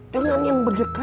dengan yang berdekatan